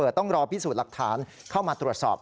เดี๋ยวต้องรอพิสูจน์รักฐานเข้ามาตรวจสอบ